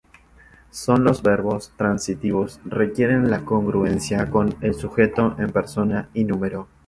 Solo los verbos transitivos requieren la congruencia con el sujeto en persona y número.